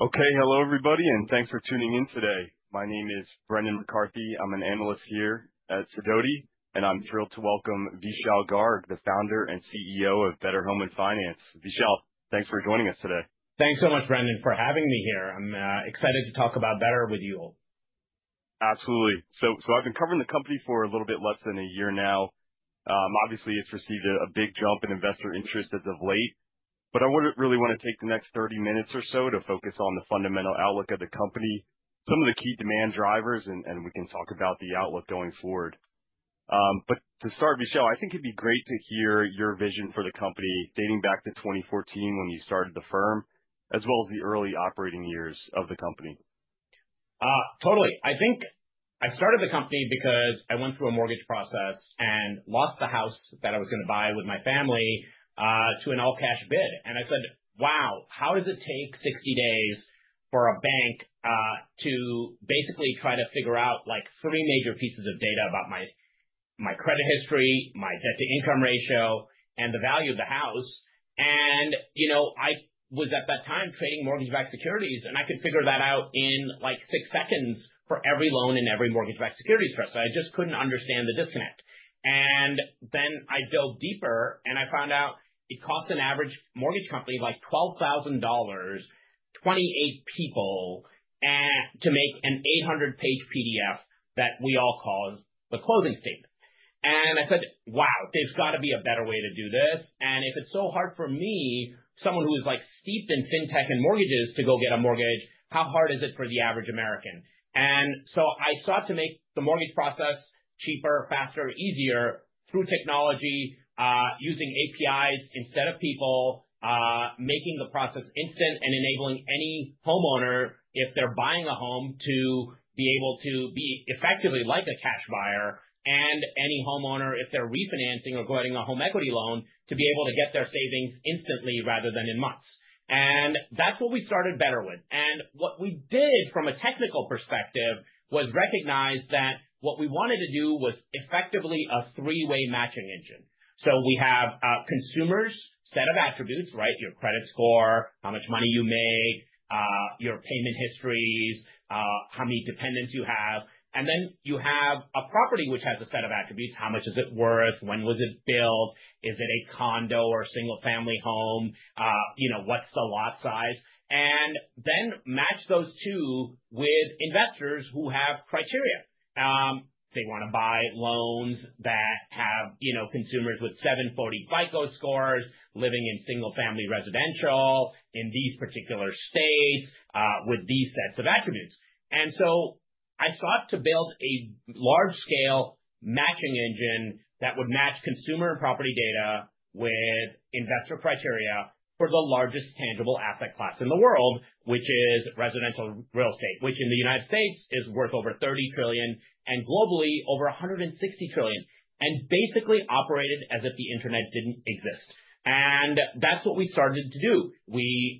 Okay, hello everybody, and thanks for tuning in today. My name is Brendan McCarthy, I'm an analyst here at Sidoti, and I'm thrilled to welcome Vishal Garg, the founder and CEO of Better Home & Finance. Vishal, thanks for joining us today. Thanks so much, Brendan, for having me here. I'm excited to talk about Better with you all. Absolutely. So I've been covering the company for a little bit less than a year now. Obviously, it's received a big jump in investor interest as of late, but I really want to take the next 30 minutes or so to focus on the fundamental outlook of the company, some of the key demand drivers, and we can talk about the outlook going forward. But to start, Vishal, I think it'd be great to hear your vision for the company dating back to 2014 when you started the firm, as well as the early operating years of the company. Totally. I think I started the company because I went through a mortgage process and lost the house that I was going to buy with my family to an all-cash bid. And I said, "Wow, how does it take 60 days for a bank to basically try to figure out three major pieces of data about my credit history, my debt-to-income ratio, and the value of the house?" And I was at that time trading mortgage-backed securities, and I could figure that out in six seconds for every loan and every mortgage-backed securities trust. I just couldn't understand the disconnect. And then I dove deeper and I found out it costs an average mortgage company $12,000, 28 people to make an 800-page PDF that we all call the closing statement. And I said, "Wow, there's got to be a better way to do this. And if it's so hard for me, someone who is steeped in fintech and mortgages, to go get a mortgage, how hard is it for the average American?" And so I sought to make the mortgage process cheaper, faster, easier through technology, using APIs instead of people, making the process instant and enabling any homeowner, if they're buying a home, to be able to be effectively like a cash buyer, and any homeowner, if they're refinancing or going on a home equity loan, to be able to get their savings instantly rather than in months. And that's what we started Better with. And what we did from a technical perspective was recognize that what we wanted to do was effectively a three-way matching engine. So we have consumers' set of attributes, right? Your credit score, how much money you make, your payment histories, how many dependents you have. And then you have a property which has a set of attributes. How much is it worth? When was it built? Is it a condo or single-family home? What's the lot size? And then match those two with investors who have criteria. They want to buy loans that have consumers with 740 FICO scores, living in single-family residential in these particular states with these sets of attributes. And so I sought to build a large-scale matching engine that would match consumer and property data with investor criteria for the largest tangible asset class in the world, which is residential real estate, which in the United States is worth over $30 trillion and globally over $160 trillion, and basically operated as if the internet didn't exist. And that's what we started to do. We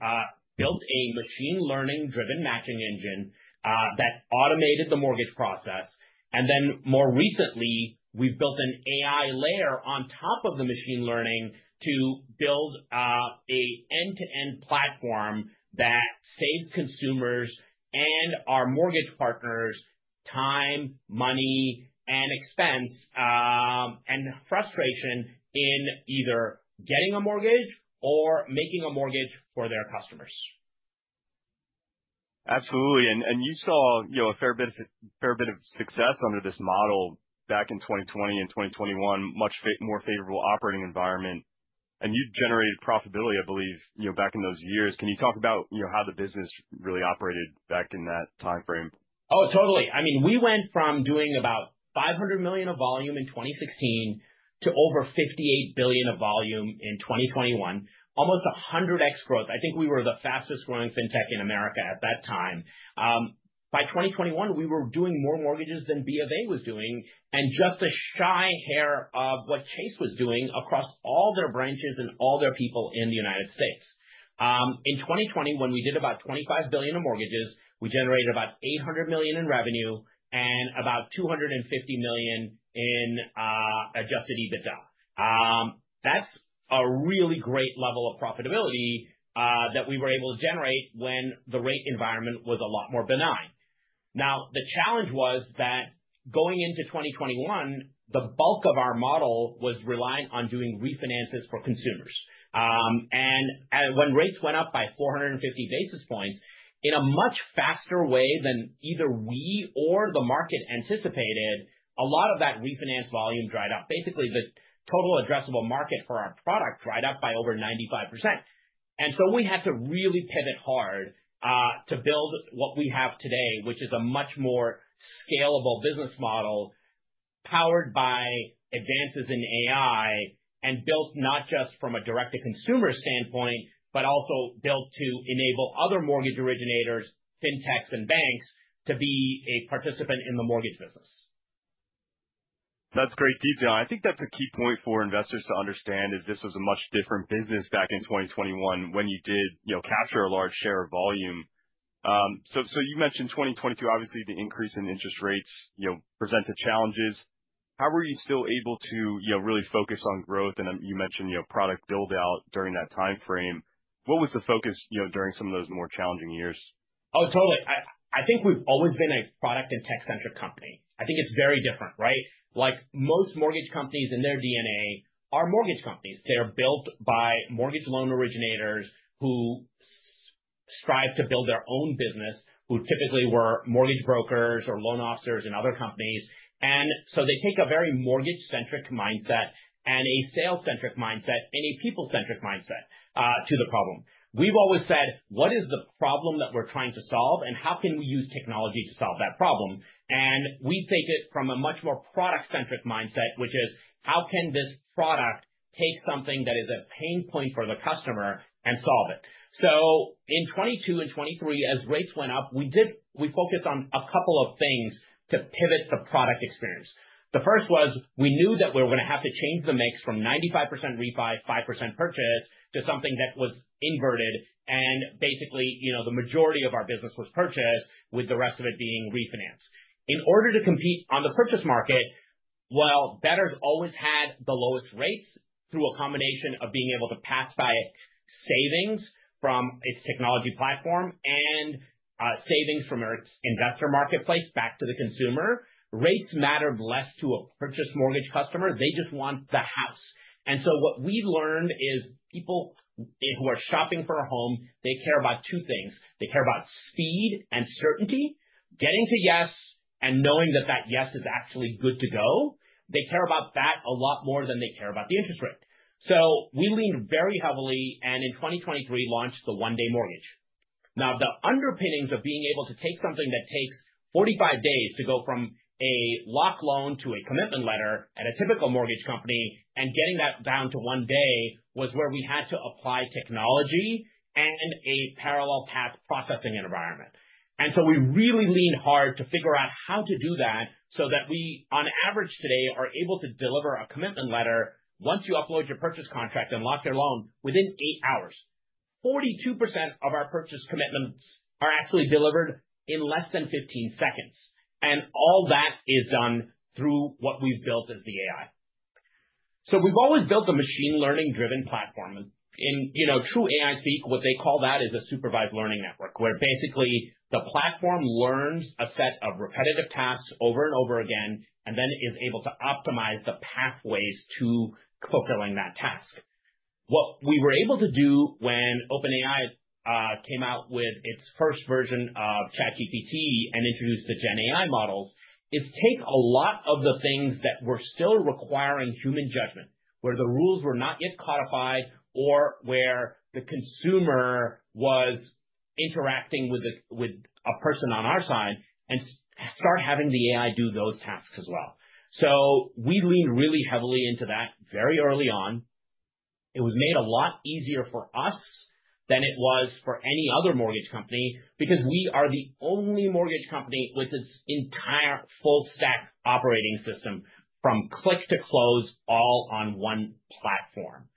built a machine learning-driven matching engine that automated the mortgage process. And then more recently, we've built an AI layer on top of the machine learning to build an end-to-end platform that saves consumers and our mortgage partners' time, money, and expense and frustration in either getting a mortgage or making a mortgage for their customers. Absolutely, and you saw a fair bit of success under this model back in 2020 and 2021, much more favorable operating environment, and you generated profitability, I believe, back in those years. Can you talk about how the business really operated back in that timeframe? Oh, totally. I mean, we went from doing about $500 million of volume in 2016 to over $58 billion of volume in 2021, almost 100x growth. I think we were the fastest-growing fintech in America at that time. By 2021, we were doing more mortgages than B of A was doing and just a shy hair of what Chase was doing across all their branches and all their people in the United States. In 2020, when we did about $25 billion of mortgages, we generated about $800 million in revenue and about $250 million in Adjusted EBITDA. That's a really great level of profitability that we were able to generate when the rate environment was a lot more benign. Now, the challenge was that going into 2021, the bulk of our model was reliant on doing refinances for consumers. And when rates went up by 450 basis points in a much faster way than either we or the market anticipated, a lot of that refinance volume dried up. Basically, the total addressable market for our product dried up by over 95%. And so we had to really pivot hard to build what we have today, which is a much more scalable business model powered by advances in AI and built not just from a direct-to-consumer standpoint, but also built to enable other mortgage originators, fintechs, and banks to be a participant in the mortgage business. That's great detail. I think that's a key point for investors to understand is this was a much different business back in 2021 when you did capture a large share of volume. So you mentioned 2022, obviously the increase in interest rates presented challenges. How were you still able to really focus on growth? And you mentioned product build-out during that timeframe. What was the focus during some of those more challenging years? Oh, totally. I think we've always been a product and tech-centric company. I think it's very different, right? Most mortgage companies in their DNA are mortgage companies. They're built by mortgage loan originators who strive to build their own business, who typically were mortgage brokers or loan officers in other companies. And so they take a very mortgage-centric mindset and a sales-centric mindset and a people-centric mindset to the problem. We've always said, "What is the problem that we're trying to solve and how can we use technology to solve that problem?" And we take it from a much more product-centric mindset, which is, "How can this product take something that is a pain point for the customer and solve it?" So in 2022 and 2023, as rates went up, we focused on a couple of things to pivot the product experience. The first was we knew that we were going to have to change the mix from 95% refi, 5% purchase to something that was inverted, and basically, the majority of our business was purchase with the rest of it being refinanced. In order to compete on the purchase market, well, Better's always had the lowest rates through a combination of being able to pass by its savings from its technology platform and savings from its investor marketplace back to the consumer. Rates mattered less to a purchase mortgage customer. They just want the house, and so what we learned is people who are shopping for a home, they care about two things. They care about speed and certainty, getting to yes and knowing that that yes is actually good to go. They care about that a lot more than they care about the interest rate. So we leaned very heavily, and in 2023 launched the One Day Mortgage. Now, the underpinnings of being able to take something that takes 45 days to go from a lock loan to a commitment letter at a typical mortgage company and getting that down to one day was where we had to apply technology and a parallel path processing environment. And so we really leaned hard to figure out how to do that so that we, on average today, are able to deliver a commitment letter once you upload your purchase contract and lock your loan within eight hours. 42% of our purchase commitments are actually delivered in less than 15 seconds. And all that is done through what we've built as the AI. So we've always built a machine learning-driven platform. In true AI speak, what they call that is a supervised learning network, where basically the platform learns a set of repetitive tasks over and over again and then is able to optimize the pathways to fulfilling that task. What we were able to do when OpenAI came out with its first version of ChatGPT and introduced the GenAI models is take a lot of the things that were still requiring human judgment, where the rules were not yet codified or where the consumer was interacting with a person on our side, and start having the AI do those tasks as well. So we leaned really heavily into that very early on. It was made a lot easier for us than it was for any other mortgage company because we are the only mortgage company with its entire full-stack operating system from click to close all on one platform.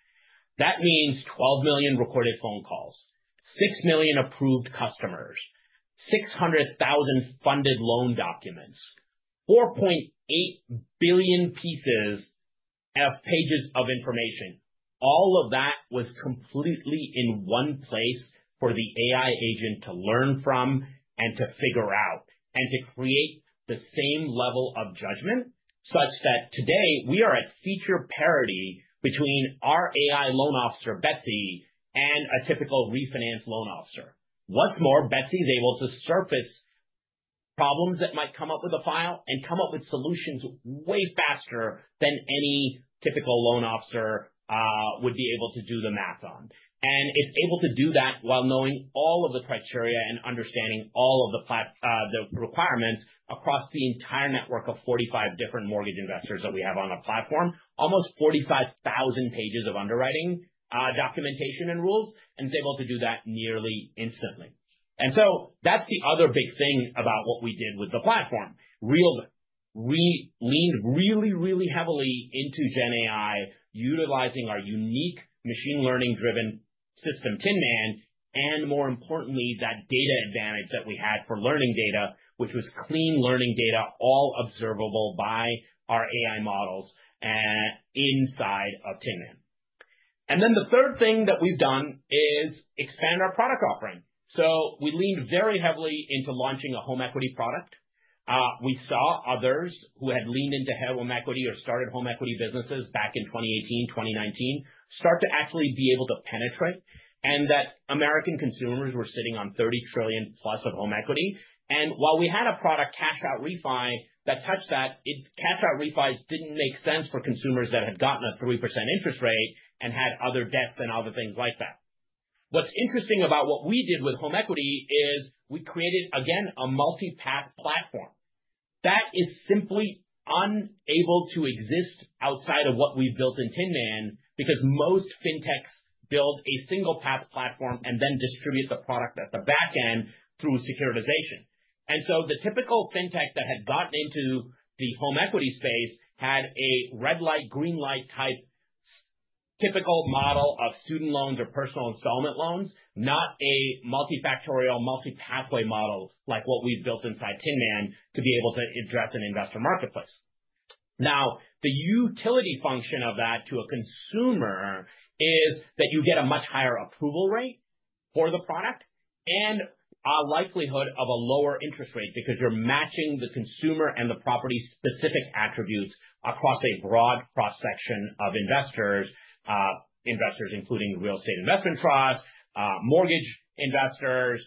That means 12 million recorded phone calls, 6 million approved customers, 600,000 funded loan documents, 4.8 billion pieces of pages of information. All of that was completely in one place for the AI agent to learn from and to figure out and to create the same level of judgment such that today we are at feature parity between our AI loan officer, Betsy, and a typical refinance loan officer. What's more, Betsy is able to surface problems that might come up with a file and come up with solutions way faster than any typical loan officer would be able to do the math on. And it's able to do that while knowing all of the criteria and understanding all of the requirements across the entire network of 45 different mortgage investors that we have on our platform, almost 45,000 pages of underwriting documentation and rules, and it's able to do that nearly instantly. And so that's the other big thing about what we did with the platform. We leaned really, really heavily into GenAI, utilizing our unique machine learning-driven system, Tinman, and more importantly, that data advantage that we had for learning data, which was clean learning data, all observable by our AI models inside of Tinman. And then the third thing that we've done is expand our product offering. So we leaned very heavily into launching a home equity product. We saw others who had leaned into home equity or started home equity businesses back in 2018, 2019, start to actually be able to penetrate and that American consumers were sitting on $30 trillion plus of home equity. And while we had a product cash-out refi that touched that, cash-out refis didn't make sense for consumers that had gotten a 3% interest rate and had other debts and other things like that. What's interesting about what we did with home equity is we created, again, a multi-path platform. That is simply unable to exist outside of what we've built in Tinman because most fintechs build a single-path platform and then distribute the product at the back end through securitization. And so the typical fintech that had gotten into the home equity space had a red light, green light type typical model of student loans or personal installment loans, not a multifactorial, multi-pathway model like what we've built inside Tinman to be able to address an investor marketplace. Now, the utility function of that to a consumer is that you get a much higher approval rate for the product and a likelihood of a lower interest rate because you're matching the consumer and the property-specific attributes across a broad cross-section of investors, investors including real estate investment trusts, mortgage investors,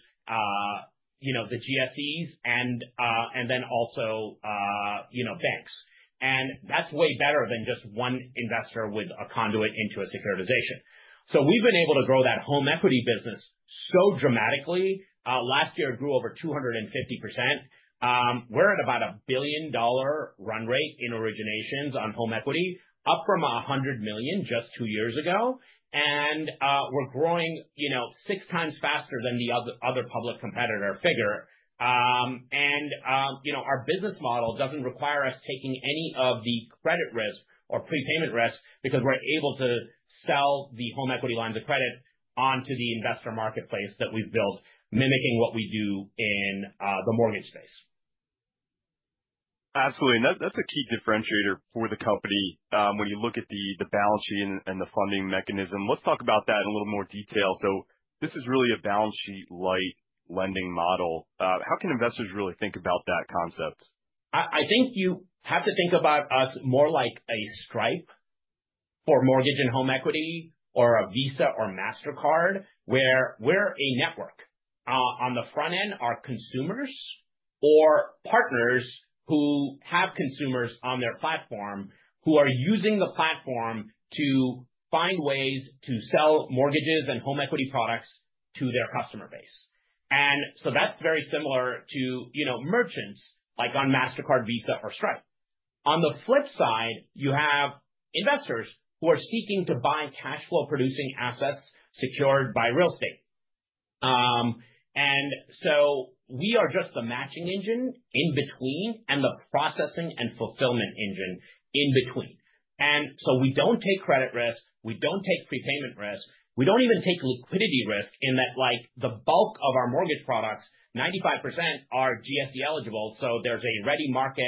the GSEs, and then also banks. And that's way better than just one investor with a conduit into a securitization. So we've been able to grow that home equity business so dramatically. Last year, it grew over 250%. We're at about a $1 billion-dollar run rate in originations on home equity, up from $100 million just two years ago. And we're growing six times faster than the other public competitor figure. And our business model doesn't require us taking any of the credit risk or prepayment risk because we're able to sell the home equity lines of credit onto the investor marketplace that we've built, mimicking what we do in the mortgage space. Absolutely. And that's a key differentiator for the company. When you look at the balance sheet and the funding mechanism, let's talk about that in a little more detail. So this is really a balance sheet-light lending model. How can investors really think about that concept? I think you have to think about us more like a Stripe for mortgage and home equity or a Visa or Mastercard where we're a network. On the front end are consumers or partners who have consumers on their platform who are using the platform to find ways to sell mortgages and home equity products to their customer base, and so that's very similar to merchants like on Mastercard, Visa, or Stripe. On the flip side, you have investors who are seeking to buy cash flow-producing assets secured by real estate, and so we are just the matching engine in between and the processing and fulfillment engine in between, and so we don't take credit risk. We don't take prepayment risk. We don't even take liquidity risk in that the bulk of our mortgage products, 95%, are GSE eligible. So there's a ready market,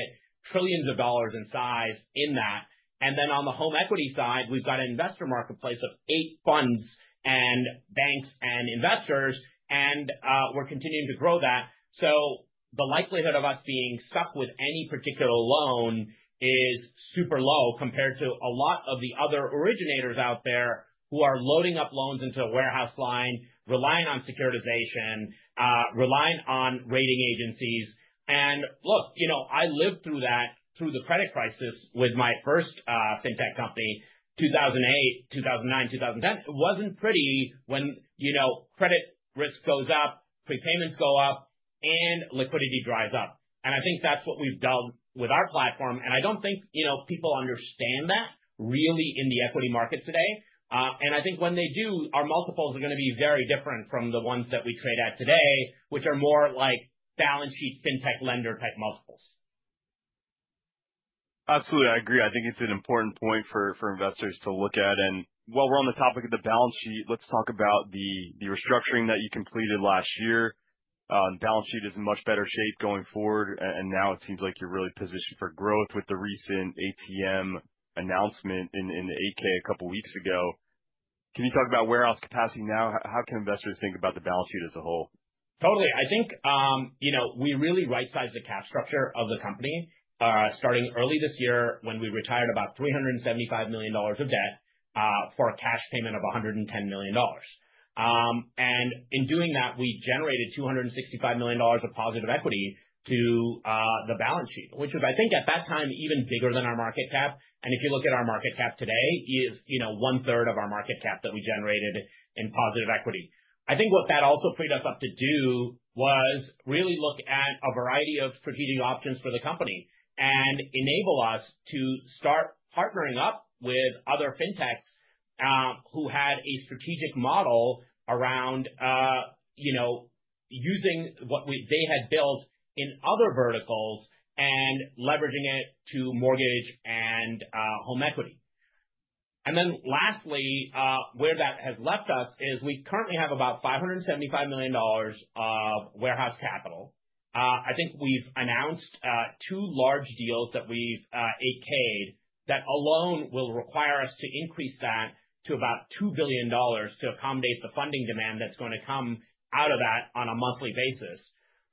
$trillions in size in that. And then on the home equity side, we've got an investor marketplace of eight funds and banks and investors, and we're continuing to grow that. So the likelihood of us being stuck with any particular loan is super low compared to a lot of the other originators out there who are loading up loans into a warehouse line, relying on securitization, relying on rating agencies. And look, I lived through that through the credit crisis with my first fintech company, 2008, 2009, 2010. It wasn't pretty when credit risk goes up, prepayments go up, and liquidity dries up. And I think that's what we've done with our platform. And I don't think people understand that really in the equity market today. I think when they do, our multiples are going to be very different from the ones that we trade at today, which are more like balance sheet fintech lender-type multiples. Absolutely. I agree. I think it's an important point for investors to look at. And while we're on the topic of the balance sheet, let's talk about the restructuring that you completed last year. The balance sheet is in much better shape going forward. And now it seems like you're really positioned for growth with the recent ATM announcement in the 8-K a couple of weeks ago. Can you talk about warehouse capacity now? How can investors think about the balance sheet as a whole? Totally. I think we really right-sized the cash structure of the company starting early this year when we retired about $375 million of debt for a cash payment of $110 million, and in doing that, we generated $265 million of positive equity to the balance sheet, which was, I think at that time, even bigger than our market cap, and if you look at our market cap today, it is one-third of our market cap that we generated in positive equity. I think what that also freed us up to do was really look at a variety of strategic options for the company and enable us to start partnering up with other fintechs who had a strategic model around using what they had built in other verticals and leveraging it to mortgage and home equity. And then lastly, where that has left us is we currently have about $575 million of warehouse capital. I think we've announced two large deals that we've 8-Ked that alone will require us to increase that to about $2 billion to accommodate the funding demand that's going to come out of that on a monthly basis.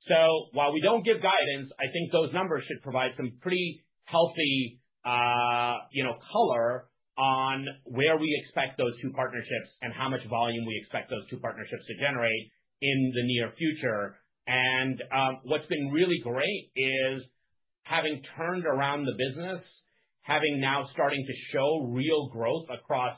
So while we don't give guidance, I think those numbers should provide some pretty healthy color on where we expect those two partnerships and how much volume we expect those two partnerships to generate in the near future. And what's been really great is having turned around the business, having now starting to show real growth across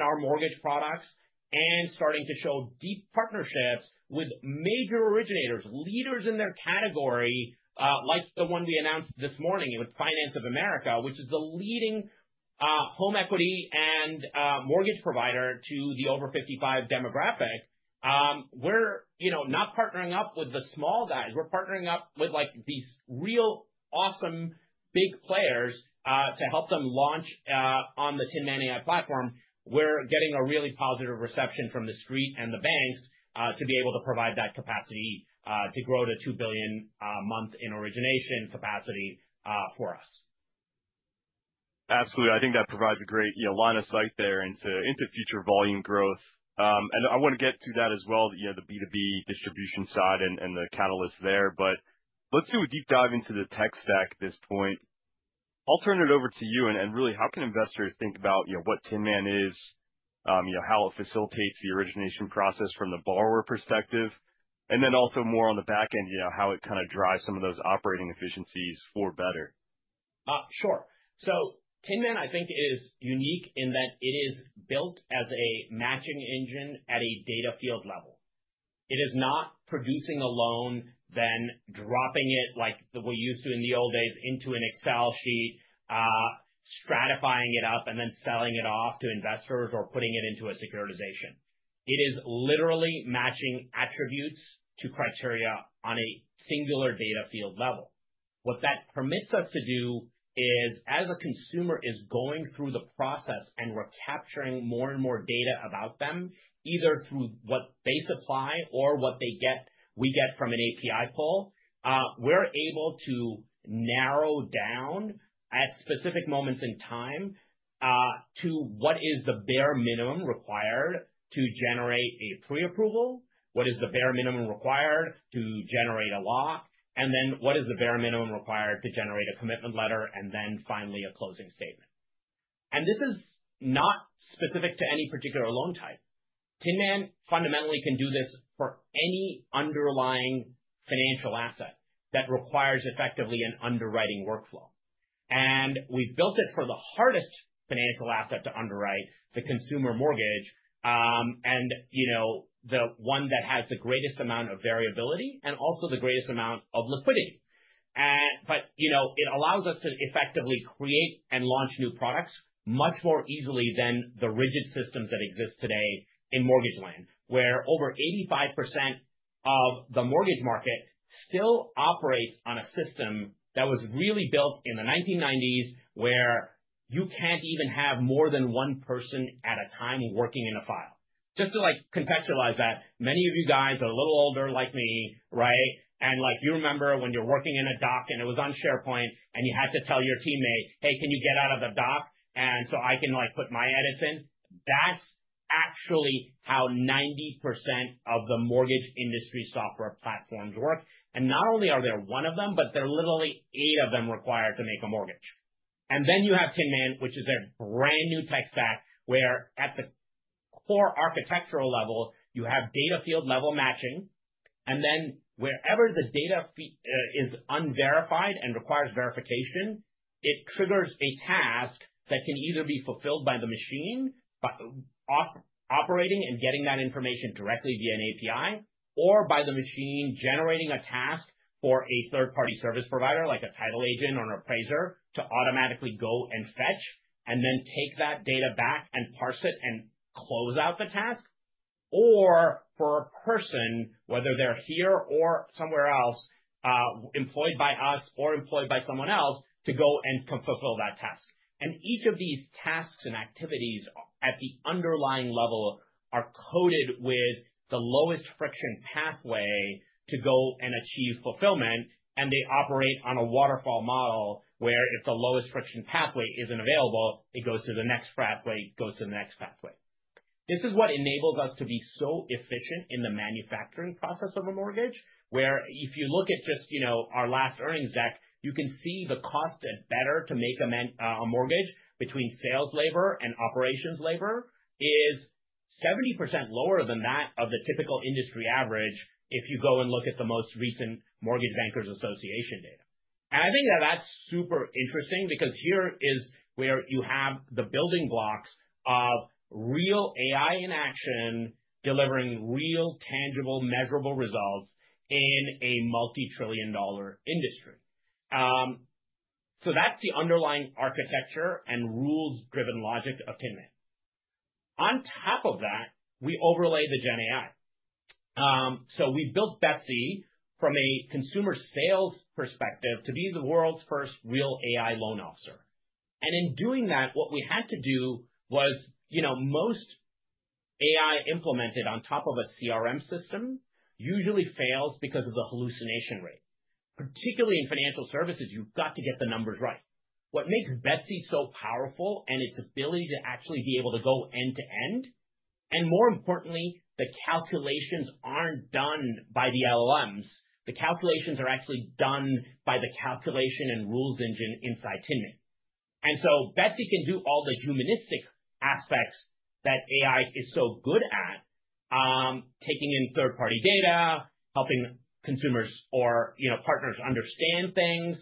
our mortgage products and starting to show deep partnerships with major originators, leaders in their category, like the one we announced this morning with Finance of America, which is the leading home equity and mortgage provider to the over 55 demographic. We're not partnering up with the small guys. We're partnering up with these real awesome big players to help them launch on the Tinman AI platform. We're getting a really positive reception from the street and the banks to be able to provide that capacity to grow to $2 billion a month in origination capacity for us. Absolutely. I think that provides a great line of sight there into future volume growth. And I want to get to that as well, the B2B distribution side and the catalysts there. But let's do a deep dive into the tech stack at this point. I'll turn it over to you. And really, how can investors think about what Tinman is, how it facilitates the origination process from the borrower perspective, and then also more on the back end, how it kind of drives some of those operating efficiencies for Better? Sure. So Tinman, I think, is unique in that it is built as a matching engine at a data field level. It is not producing a loan, then dropping it like we're used to in the old days into an Excel sheet, stratifying it up, and then selling it off to investors or putting it into a securitization. It is literally matching attributes to criteria on a singular data field level. What that permits us to do is, as a consumer is going through the process and we're capturing more and more data about them, either through what they supply or what we get from an API pull, we're able to narrow down at specific moments in time to what is the bare minimum required to generate a pre-approval, what is the bare minimum required to generate a lock, and then what is the bare minimum required to generate a commitment letter, and then finally a closing statement. And this is not specific to any particular loan type. Tinman fundamentally can do this for any underlying financial asset that requires effectively an underwriting workflow. And we've built it for the hardest financial asset to underwrite, the consumer mortgage, and the one that has the greatest amount of variability and also the greatest amount of liquidity. But it allows us to effectively create and launch new products much more easily than the rigid systems that exist today in mortgage land, where over 85% of the mortgage market still operates on a system that was really built in the 1990s where you can't even have more than one person at a time working in a file. Just to contextualize that, many of you guys are a little older like me, right? And you remember when you're working in a doc and it was on SharePoint and you had to tell your teammate, "Hey, can you get out of the doc and so I can put my edits in?" That's actually how 90% of the mortgage industry software platforms work. And not only are there one of them, but there are literally eight of them required to make a mortgage. And then you have Tinman, which is a brand new tech stack where at the core architectural level, you have data field level matching. And then wherever the data is unverified and requires verification, it triggers a task that can either be fulfilled by the machine operating and getting that information directly via an API, or by the machine generating a task for a third-party service provider like a title agent or an appraiser to automatically go and fetch and then take that data back and parse it and close out the task. Or for a person, whether they're here or somewhere else employed by us or employed by someone else to go and fulfill that task. And each of these tasks and activities at the underlying level are coded with the lowest friction pathway to go and achieve fulfillment. And they operate on a waterfall model where if the lowest friction pathway isn't available, it goes to the next pathway, it goes to the next pathway. This is what enables us to be so efficient in the manufacturing process of a mortgage, where if you look at just our last earnings deck, you can see the cost of Better to make a mortgage between sales labor and operations labor is 70% lower than that of the typical industry average if you go and look at the most recent Mortgage Bankers Association data. And I think that that's super interesting because here is where you have the building blocks of real AI in action delivering real tangible measurable results in a multi-trillion-dollar industry. So that's the underlying architecture and rules-driven logic of Tinman. On top of that, we overlay the GenAI. So we built Betsy from a consumer sales perspective to be the world's first real AI loan officer. And in doing that, what we had to do was most AI implemented on top of a CRM system usually fails because of the hallucination rate. Particularly in financial services, you've got to get the numbers right. What makes Betsy so powerful and its ability to actually be able to go end to end, and more importantly, the calculations aren't done by the LLMs, the calculations are actually done by the calculation and rules engine inside Tinman. And so Betsy can do all the humanistic aspects that AI is so good at, taking in third-party data, helping consumers or partners understand things,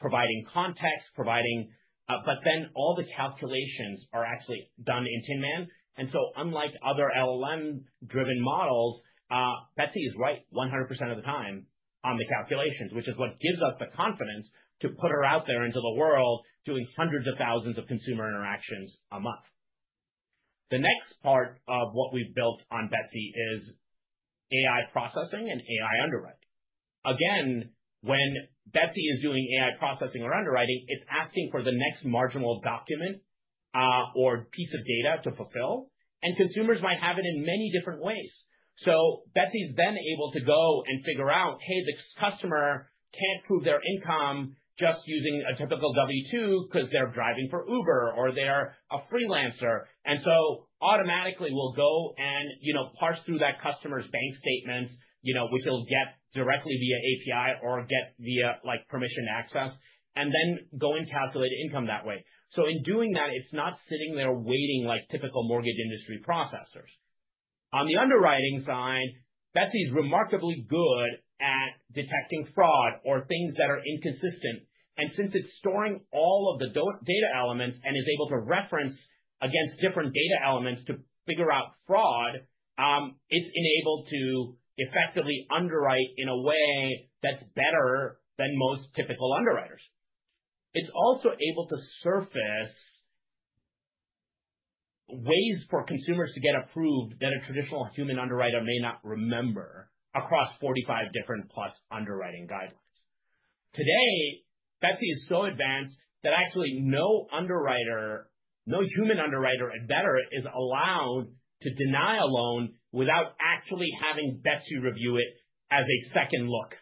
providing context, but then all the calculations are actually done in Tinman. And so unlike other LLM-driven models, Betsy is right 100% of the time on the calculations, which is what gives us the confidence to put her out there into the world doing hundreds of thousands of consumer interactions a month. The next part of what we've built on Betsy is AI processing and AI underwriting. Again, when Betsy is doing AI processing or underwriting, it's asking for the next marginal document or piece of data to fulfill. And consumers might have it in many different ways. So Betsy's then able to go and figure out, "Hey, this customer can't prove their income just using a typical W-2 because they're driving for Uber or they're a freelancer." And so automatically, we'll go and parse through that customer's bank statements, which you'll get directly via API or get via permission access, and then go and calculate income that way. So in doing that, it's not sitting there waiting like typical mortgage industry processors. On the underwriting side, Betsy's remarkably good at detecting fraud or things that are inconsistent. And since it's storing all of the data elements and is able to reference against different data elements to figure out fraud, it's enabled to effectively underwrite in a way that's better than most typical underwriters. It's also able to surface ways for consumers to get approved that a traditional human underwriter may not remember across 45 different plus underwriting guidelines. Today, Betsy is so advanced that actually no underwriter, no human underwriter at Better is allowed to deny a loan without actually having Betsy review it as a second look.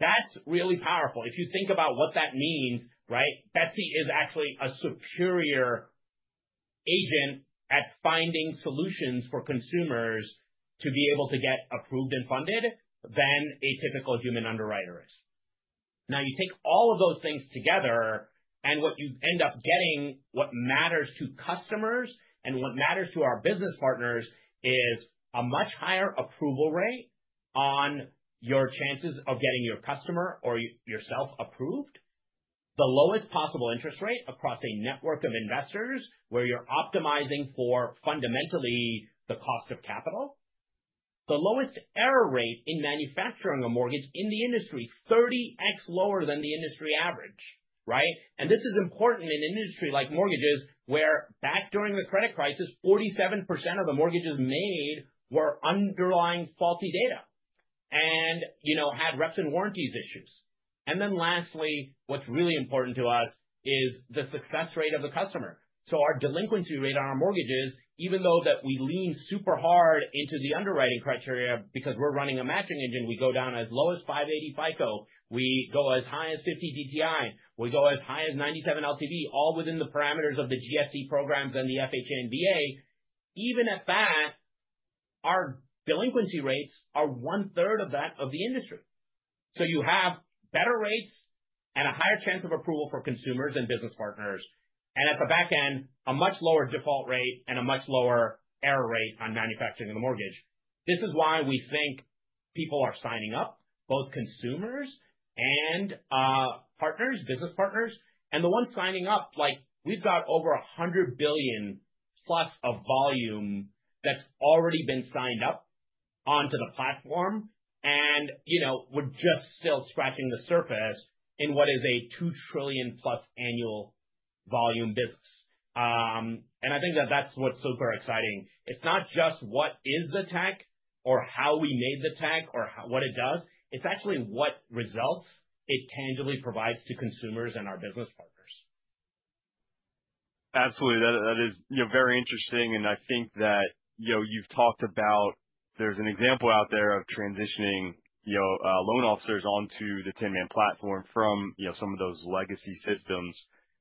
That's really powerful. If you think about what that means, Betsy is actually a superior agent at finding solutions for consumers to be able to get approved and funded than a typical human underwriter is. Now, you take all of those things together, and what you end up getting, what matters to customers and what matters to our business partners, is a much higher approval rate on your chances of getting your customer or yourself approved, the lowest possible interest rate across a network of investors where you're optimizing for fundamentally the cost of capital, the lowest error rate in manufacturing a mortgage in the industry, 30x lower than the industry average, and this is important in an industry like mortgages where back during the credit crisis, 47% of the mortgages made were underlying faulty data and had reps and warranties issues. And then lastly, what's really important to us is the success rate of the customer. So our delinquency rate on our mortgages, even though that we lean super hard into the underwriting criteria because we're running a matching engine, we go down as low as 580 FICO, we go as high as 50 DTI, we go as high as 97 LTV, all within the parameters of the GSE programs and the FHA and VA, even at that, our delinquency rates are one-third of that of the industry. So you have better rates and a higher chance of approval for consumers and business partners. And at the back end, a much lower default rate and a much lower error rate on manufacturing of the mortgage. This is why we think people are signing up, both consumers and partners, business partners. And the ones signing up, we've got over $100 billion plus of volume that's already been signed up onto the platform and we're just still scratching the surface in what is a $2 trillion plus annual volume business. And I think that that's what's super exciting. It's not just what is the tech or how we made the tech or what it does. It's actually what results it tangibly provides to consumers and our business partners. Absolutely. That is very interesting. And I think that you've talked about there's an example out there of transitioning loan officers onto the Tinman platform from some of those legacy systems.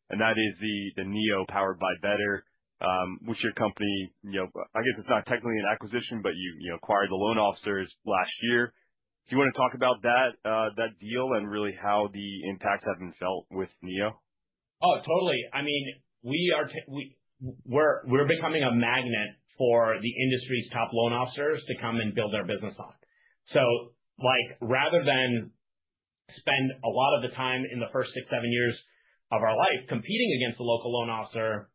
And that is the Neo powered by Better, which your company, I guess it's not technically an acquisition, but you acquired the loan officers last year. Do you want to talk about that deal and really how the impacts have been felt with Neo? Oh, totally. I mean, we're becoming a magnet for the industry's top loan officers to come and build their business on. So rather than spend a lot of the time in the first six, seven years of our life competing against a local loan officer,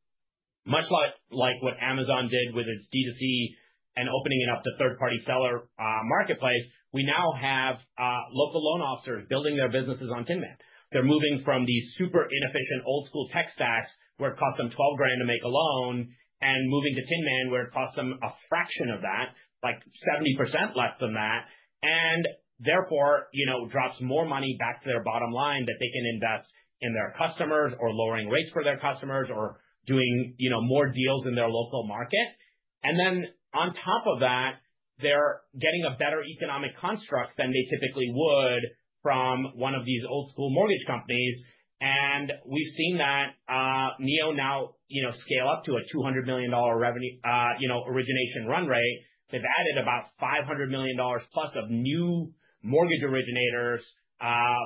much like what Amazon did with its D2C and opening it up to third-party seller marketplace, we now have local loan officers building their businesses on Tinman. They're moving from these super inefficient old-school tech stacks where it costs them $12,000 to make a loan and moving to Tinman where it costs them a fraction of that, like 70% less than that, and therefore drops more money back to their bottom line that they can invest in their customers or lowering rates for their customers or doing more deals in their local market. And then on top of that, they're getting a better economic construct than they typically would from one of these old-school mortgage companies. And we've seen that Neo now scale up to a $200 million origination run rate. They've added about $500 million plus of new mortgage originators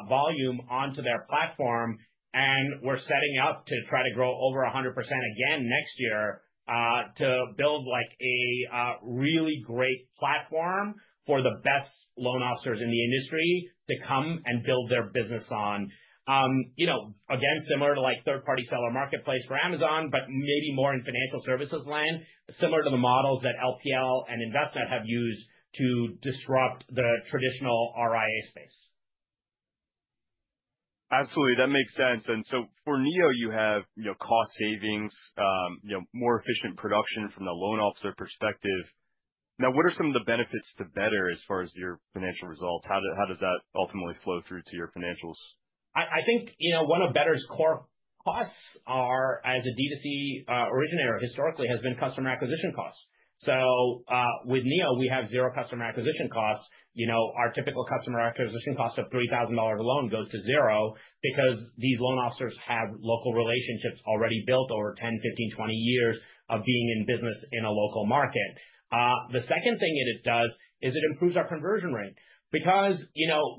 volume onto their platform. And we're setting up to try to grow over 100% again next year to build a really great platform for the best loan officers in the industry to come and build their business on. Again, similar to third-party seller marketplace for Amazon, but maybe more in financial services land, similar to the models that LPL and Envestnet have used to disrupt the traditional RIA space. Absolutely. That makes sense. And so for Neo, you have cost savings, more efficient production from the loan officer perspective. Now, what are some of the benefits to Better as far as your financial results? How does that ultimately flow through to your financials? I think one of Better's core costs as a D2C originator historically has been customer acquisition costs. So with Neo, we have zero customer acquisition costs. Our typical customer acquisition cost of $3,000 a loan goes to zero because these loan officers have local relationships already built over 10, 15, 20 years of being in business in a local market. The second thing that it does is it improves our conversion rate because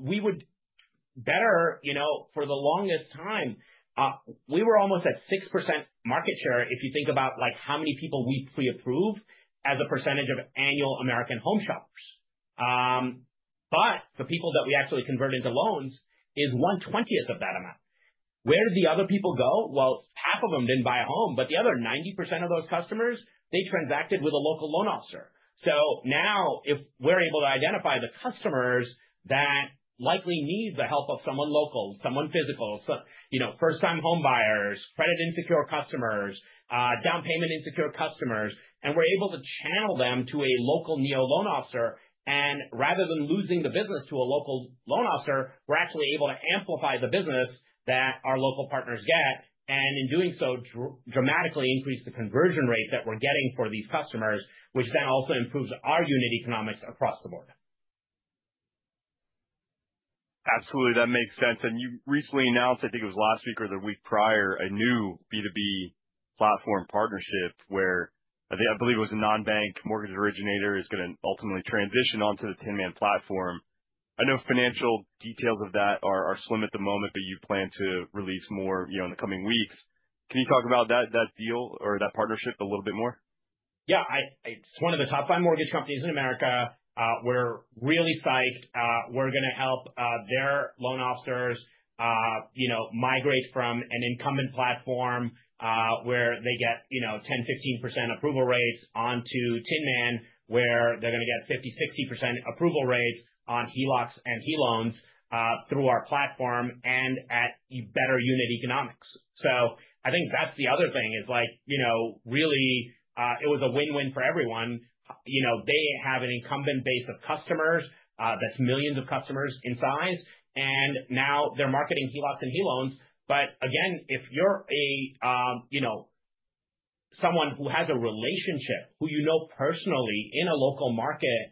we at Better for the longest time, we were almost at 6% market share if you think about how many people we pre-approve as a percentage of annual American home shoppers. But the people that we actually convert into loans is 1/20 of that amount. Where did the other people go? Well, half of them didn't buy a home, but the other 90% of those customers, they transacted with a local loan officer. So now if we're able to identify the customers that likely need the help of someone local, someone physical, first-time home buyers, credit insecure customers, down payment insecure customers, and we're able to channel them to a local Neo loan officer, and rather than losing the business to a local loan officer, we're actually able to amplify the business that our local partners get and in doing so dramatically increase the conversion rate that we're getting for these customers, which then also improves our unit economics across the board. Absolutely. That makes sense. And you recently announced, I think it was last week or the week prior, a new B2B platform partnership where I believe it was a non-bank mortgage originator is going to ultimately transition onto the Tinman platform. I know financial details of that are slim at the moment, but you plan to release more in the coming weeks. Can you talk about that deal or that partnership a little bit more? Yeah. It's one of the top five mortgage companies in America. We're really psyched. We're going to help their loan officers migrate from an incumbent platform where they get 10%-15% approval rates onto Tinman, where they're going to get 50%-60% approval rates on HELOCs and HELOANs through our platform and at better unit economics. So I think that's the other thing is really it was a win-win for everyone. They have an incumbent base of customers that's millions of customers in size. And now they're marketing HELOCs and HELOANs. But again, if you're someone who has a relationship, who you know personally in a local market,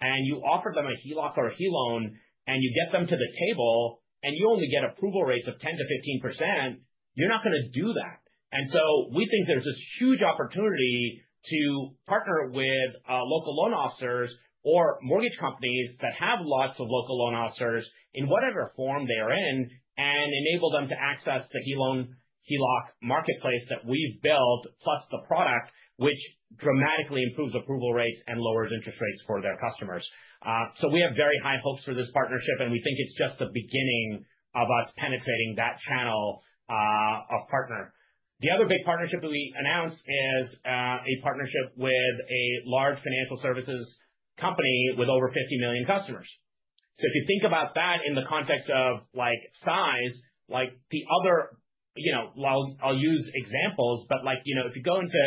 and you offer them a HELOC or a HELOAN, and you get them to the table, and you only get approval rates of 10%-15%, you're not going to do that. And so we think there's this huge opportunity to partner with local loan officers or mortgage companies that have lots of local loan officers in whatever form they are in and enable them to access the HELOC marketplace that we've built plus the product, which dramatically improves approval rates and lowers interest rates for their customers. So we have very high hopes for this partnership, and we think it's just the beginning of us penetrating that channel of partner. The other big partnership that we announced is a partnership with a large financial services company with over 50 million customers. So if you think about that in the context of size, the other, I'll use examples, but if you go into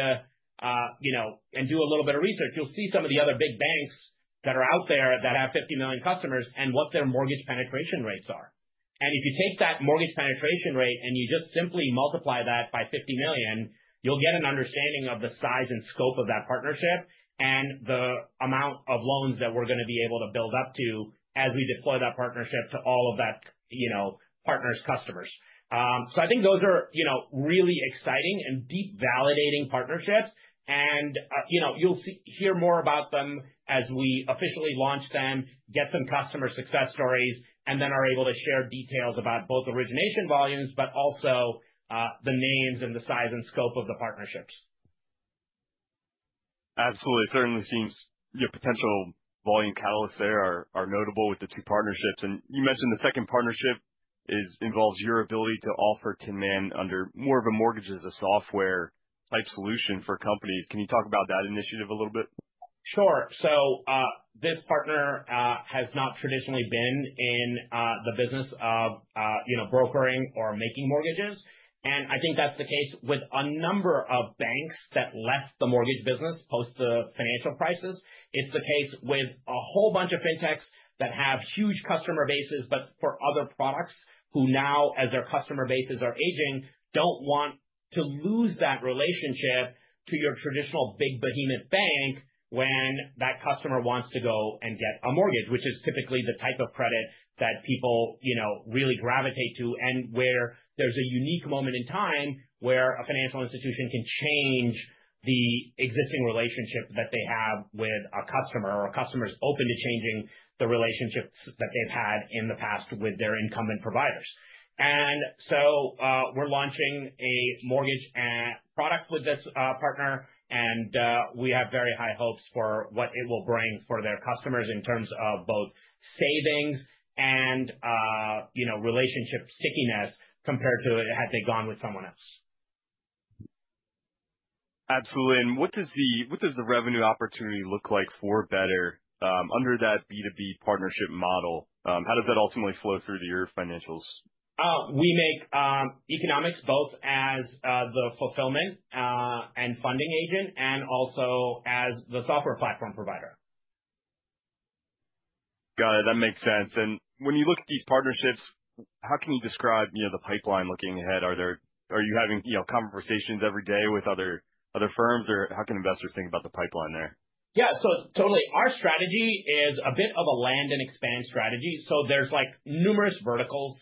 and do a little bit of research, you'll see some of the other big banks that are out there that have 50 million customers and what their mortgage penetration rates are. And if you take that mortgage penetration rate and you just simply multiply that by 50 million, you'll get an understanding of the size and scope of that partnership and the amount of loans that we're going to be able to build up to as we deploy that partnership to all of that partner's customers. So I think those are really exciting and deep validating partnerships. And you'll hear more about them as we officially launch them, get some customer success stories, and then are able to share details about both origination volumes, but also the names and the size and scope of the partnerships. Absolutely. It certainly seems your potential volume catalysts there are notable with the two partnerships. And you mentioned the second partnership involves your ability to offer Tinman under more of a mortgage as a software type solution for companies. Can you talk about that initiative a little bit? Sure, so this partner has not traditionally been in the business of brokering or making mortgages, and I think that's the case with a number of banks that left the mortgage business post the financial crisis. It's the case with a whole bunch of fintechs that have huge customer bases, but for other products who now, as their customer bases are aging, don't want to lose that relationship to your traditional big behemoth bank when that customer wants to go and get a mortgage, which is typically the type of credit that people really gravitate to and where there's a unique moment in time where a financial institution can change the existing relationship that they have with a customer or a customer's open to changing the relationships that they've had in the past with their incumbent providers. And so we're launching a mortgage product with this partner, and we have very high hopes for what it will bring for their customers in terms of both savings and relationship stickiness compared to had they gone with someone else. Absolutely. And what does the revenue opportunity look like for Better under that B2B partnership model? How does that ultimately flow through to your financials? We make economics both as the fulfillment and funding agent and also as the software platform provider. Got it. That makes sense. And when you look at these partnerships, how can you describe the pipeline looking ahead? Are you having conversations every day with other firms, or how can investors think about the pipeline there? Yeah, so totally. Our strategy is a bit of a land and expand strategy, so there's numerous verticals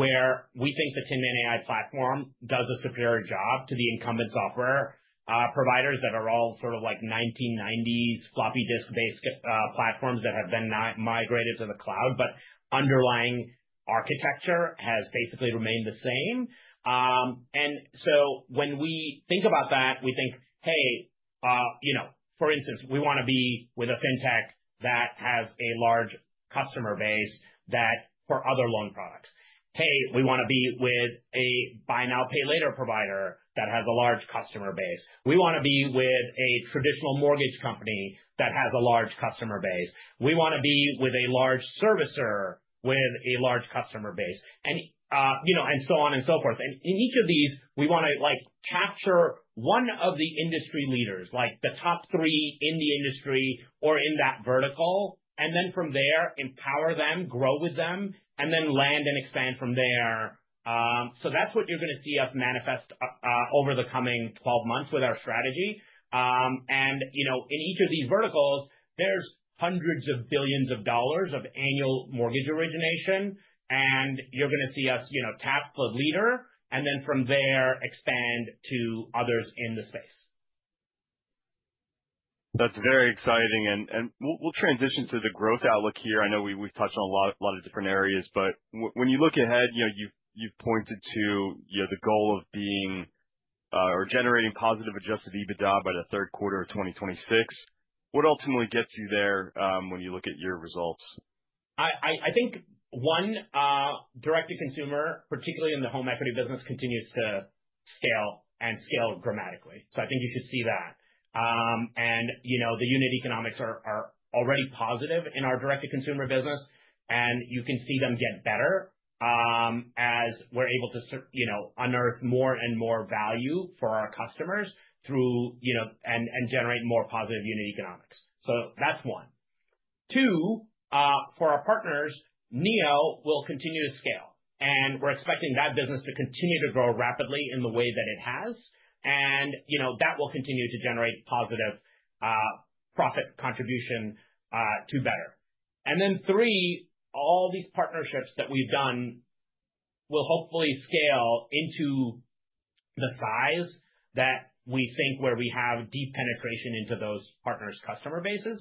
where we think the Tinman AI platform does a superior job to the incumbent software providers that are all sort of like 1990s floppy disk-based platforms that have been migrated to the cloud, but underlying architecture has basically remained the same, and so when we think about that, we think, "Hey, for instance, we want to be with a fintech that has a large customer base for other loan products. Hey, we want to be with a buy now, pay later provider that has a large customer base. We want to be with a traditional mortgage company that has a large customer base. We want to be with a large servicer with a large customer base," and so on and so forth. And in each of these, we want to capture one of the industry leaders, like the top three in the industry or in that vertical, and then from there, empower them, grow with them, and then land and expand from there. So that's what you're going to see us manifest over the coming 12 months with our strategy. And in each of these verticals, there's $hundreds of billions of annual mortgage origination, and you're going to see us tap the leader, and then from there, expand to others in the space. That's very exciting. And we'll transition to the growth outlook here. I know we've touched on a lot of different areas, but when you look ahead, you've pointed to the goal of being or generating positive Adjusted EBITDA by the third quarter of 2026. What ultimately gets you there when you look at your results? I think one, direct-to-consumer, particularly in the home equity business, continues to scale and scale dramatically. So I think you should see that. And the unit economics are already positive in our direct-to-consumer business, and you can see them get better as we're able to unearth more and more value for our customers and generate more positive unit economics. So that's one. Two, for our partners, Neo will continue to scale, and we're expecting that business to continue to grow rapidly in the way that it has. And that will continue to generate positive profit contribution to Better. And then three, all these partnerships that we've done will hopefully scale into the size that we think where we have deep penetration into those partners' customer bases.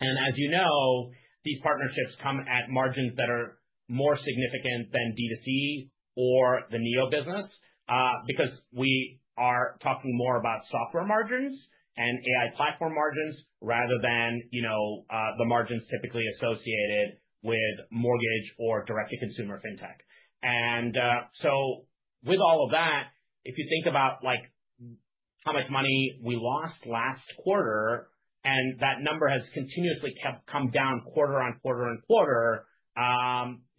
And as you know, these partnerships come at margins that are more significant than D2C or the Neo business because we are talking more about software margins and AI platform margins rather than the margins typically associated with mortgage or direct-to-consumer fintech. And so with all of that, if you think about how much money we lost last quarter, and that number has continuously come down quarter on quarter on quarter,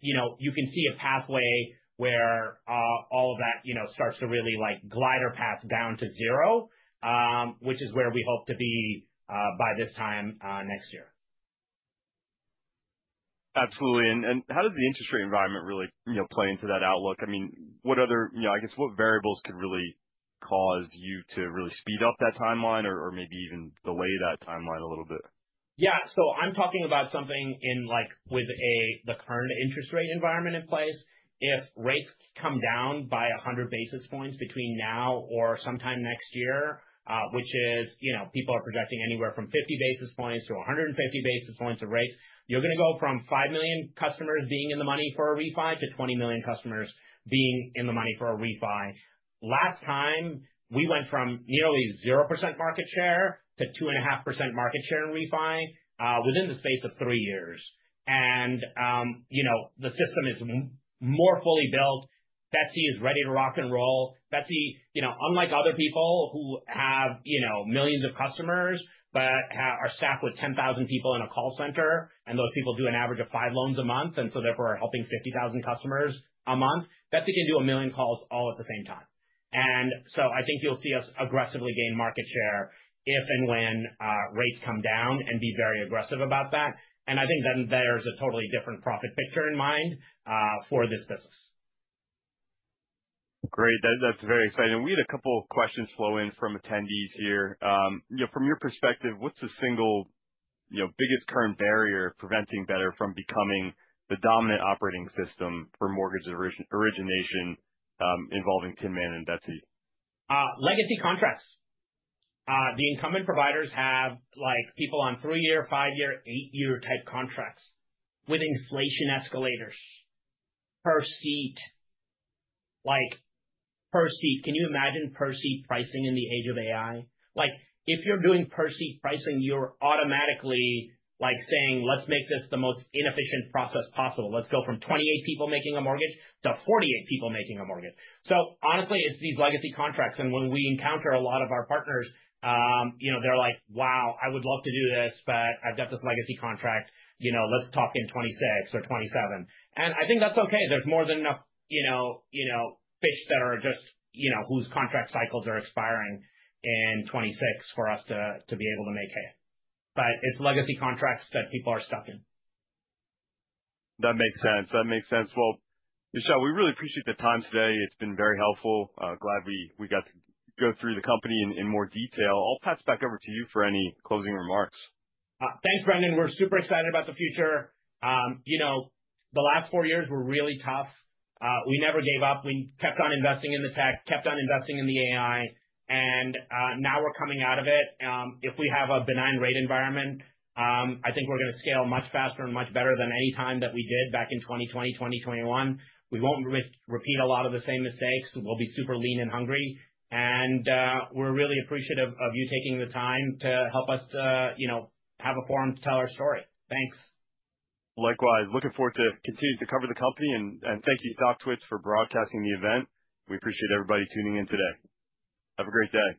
you can see a pathway where all of that starts to really glide our path down to zero, which is where we hope to be by this time next year. Absolutely. And how does the interest rate environment really play into that outlook? I mean, I guess what variables could really cause you to really speed up that timeline or maybe even delay that timeline a little bit? Yeah. So I'm talking about something with the current interest rate environment in place. If rates come down by 100 basis points between now or sometime next year, which is people are projecting anywhere from 50 basis points to 150 basis points of rates, you're going to go from 5 million customers being in the money for a refi to 20 million customers being in the money for a refi. Last time, we went from nearly 0% market share to 2.5% market share in refi within the space of three years. And the system is more fully built. Betsy is ready to rock and roll. Betsy, unlike other people who have millions of customers but are staffed with 10,000 people in a call center, and those people do an average of five loans a month, and so therefore are helping 50,000 customers a month, Betsy can do a million calls all at the same time. And so I think you'll see us aggressively gain market share if and when rates come down and be very aggressive about that. And I think then there's a totally different profit picture in mind for this business. Great. That's very exciting. We had a couple of questions flow in from attendees here. From your perspective, what's the single biggest current barrier preventing Better from becoming the dominant operating system for mortgage origination involving Tinman and Betsy? Legacy contracts. The incumbent providers have people on three-year, five-year, eight-year type contracts with inflation escalators per seat. Can you imagine per seat pricing in the age of AI? If you're doing per seat pricing, you're automatically saying, "Let's make this the most inefficient process possible. Let's go from 28 people making a mortgage to 48 people making a mortgage." So honestly, it's these legacy contracts. And when we encounter a lot of our partners, they're like, "Wow, I would love to do this, but I've got this legacy contract. Let's talk in 2026 or 2027." And I think that's okay. There's more than enough fish that are just whose contract cycles are expiring in 2026 for us to be able to make hay. But it's legacy contracts that people are stuck in. That makes sense. That makes sense. Well, Vishal, we really appreciate the time today. It's been very helpful. Glad we got to go through the company in more detail. I'll pass back over to you for any closing remarks. Thanks, Brendan. We're super excited about the future. The last four years were really tough. We never gave up. We kept on investing in the tech, kept on investing in the AI, and now we're coming out of it. If we have a benign rate environment, I think we're going to scale much faster and much better than any time that we did back in 2020, 2021. We won't repeat a lot of the same mistakes. We'll be super lean and hungry, and we're really appreciative of you taking the time to help us have a forum to tell our story. Thanks. Likewise. Looking forward to continuing to cover the company. And thank you, Stocktwits, for broadcasting the event. We appreciate everybody tuning in today. Have a great day.